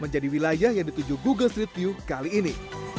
jadi wilayah yang dituju google street view kali ini